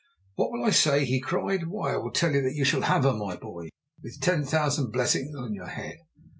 "What will I say?" he cried. "Why, I will tell you that you shall have her, my boy, with ten thousand blessings on your head.